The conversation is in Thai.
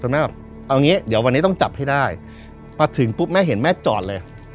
แม่แบบเอางี้เดี๋ยววันนี้ต้องจับให้ได้มาถึงปุ๊บแม่เห็นแม่จอดเลย